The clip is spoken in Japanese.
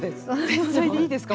天才でいいですか？